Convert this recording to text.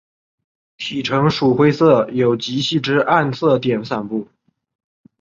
体成鼠灰色有极细之暗色点散布。